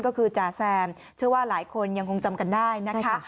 ก็คือจ่าแซมเชื่อว่าหลายคนยังคงจำกันได้นะคะ